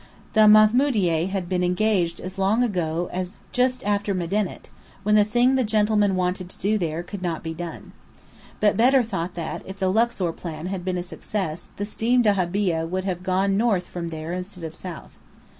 The Mamoudieh had been engaged as long ago as just after Medinet, when the thing the gentlemen wanted to do there could not be done. But Bedr thought that, if the Luxor plan had been a success, the steam dahabeah would have gone north from there instead of south.